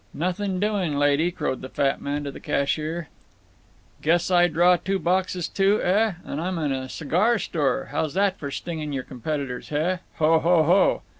"Nothing doing, lady," crowed the fat man to the cashier. "I guess I draw two boxes, too, eh? And I'm in a cigar store. How's that for stinging your competitors, heh? Ho, ho, ho!"